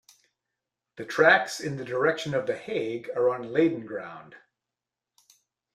The tracks in the direction of The Hague are on Leiden ground.